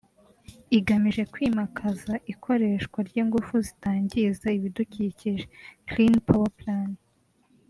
igamije kwimakaza ikoreshwa ry’ingufu zitangiza ibidukikije (Clean Power Plan)